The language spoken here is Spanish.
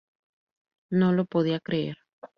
No lo podía creer.